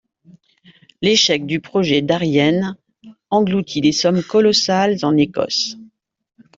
L'échec du projet Darién engloutit des sommes colossales en Écosse.